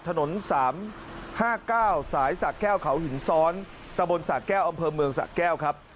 ถนนสามห้าเก้าสายสากแก้วเขาหินซ้อนตะบนสากแก้วอำเภอเมืองสากแก้วครับ